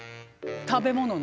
食べ物の？